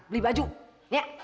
beli baju ya